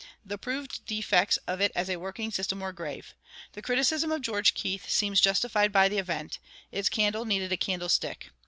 The proved defects of it as a working system were grave. The criticism of George Keith seems justified by the event its candle needed a candlestick.